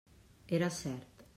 Era cert.